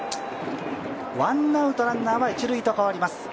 ワンアウト、ランナーは一塁と変わります。